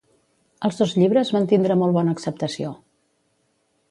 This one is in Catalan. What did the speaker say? Els dos llibres van tindre molt bona acceptació.